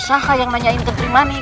siapa yang nanya kenting manik